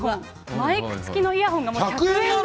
マイク付きのイヤホンがもう１００円で。